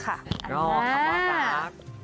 อ๋อคำว่าจาก